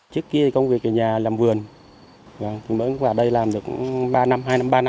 trước kia công việc ở nhà làm vườn mới vào đây làm được hai ba năm